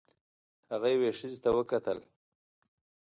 هغه یوې ښځې ته وکتل.